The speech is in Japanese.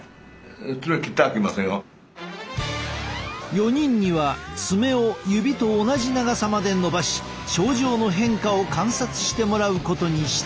４人には爪を指と同じ長さまで伸ばし症状の変化を観察してもらうことにした。